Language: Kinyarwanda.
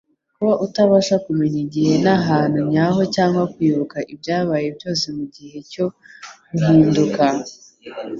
Kuba utabasha kumenya igihe n'ahantu nyaho cyangwa kwibuka ibyabaye byose mu gihe cyo guhinduka,